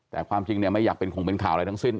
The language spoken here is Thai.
แต่ความจริงเนี่ยไม่อยากเป็นของเป็นข่าวอะไรทั้งสิ้น